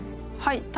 はい。